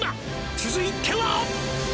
「続いては」